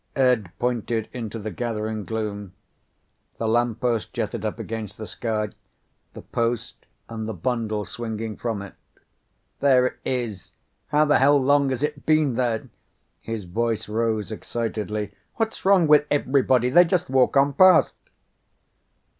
Ed pointed into the gathering gloom. The lamppost jutted up against the sky the post and the bundle swinging from it. "There it is. How the hell long has it been there?" His voice rose excitedly. "What's wrong with everybody? They just walk on past!"